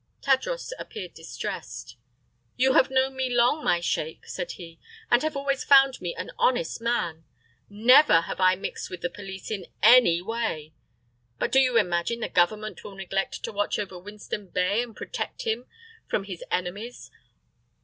Tadros appeared distressed. "You have known me long, my sheik," said he, "and have always found me an honest man. Never have I mixed with the police in any way. But do you imagine the Government will neglect to watch over Winston Bey and protect him from his enemies?